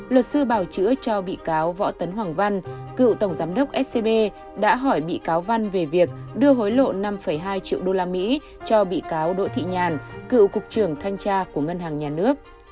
luật sư bảo chữa cho bị cáo võ tấn hoàng văn cựu tổng giám đốc scb đã hỏi bị cáo văn về việc đưa hối lộ năm hai triệu usd cho bị cáo đỗ thị nhàn cựu cục trưởng thanh tra của ngân hàng nhà nước